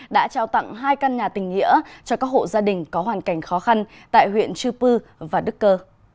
đã trao tặng hai căn nhà tình nghĩa cho các hộ gia đình có hoàn cảnh khó khăn tại huyện chư pư và đức cơ